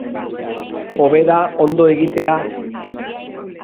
Hobe da ondo egitea.